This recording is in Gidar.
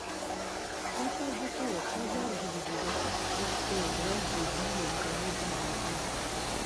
Aslazuko, azargən zegas seza offo wazlə vi moggoni dagayɗa.